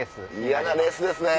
嫌なレースですね。